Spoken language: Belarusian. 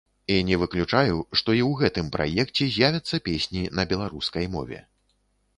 І не выключаю, што і ў гэтым праекце з'явяцца песні на беларускай мове.